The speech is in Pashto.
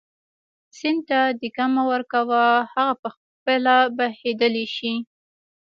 سیند ته دیکه مه ورکوه هغه په خپله بهېدلی شي.